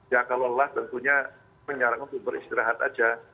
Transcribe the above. ya kalau lelah tentunya menyarankan untuk beristirahat saja